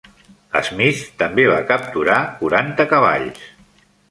Smith també va capturar quaranta cavalls.